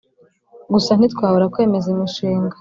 Gusa ntitwabura kwemeza imishinga